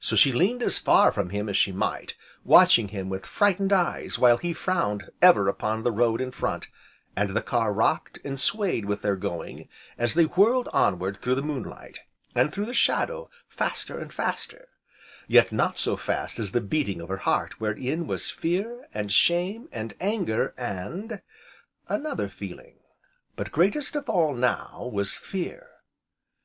So, she leaned as far from him as she might, watching him with frightened eyes while he frowned ever upon the road in front, and the car rocked, and swayed with their going, as they whirled onward through moonlight and through shadow, faster, and faster, yet not so fast as the beating of her heart wherein was fear, and shame, and anger, and another feeling, but greatest of all now, was fear.